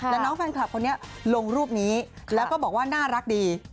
แล้วน้องแฟนคลับคนนี้ลงรูปนี้แล้วก็บอกว่าน่ารักดี